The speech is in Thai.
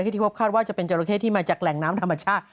ที่พบคาดว่าจะเป็นจราเข้ที่มาจากแหล่งน้ำธรรมชาติ